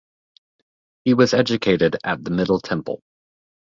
He was educated at the Middle Temple.